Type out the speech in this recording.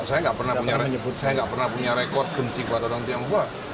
saya gak pernah punya rekor benci kepada orang tionghoa